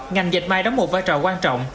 ngành dịch may đóng một vai trò quan trọng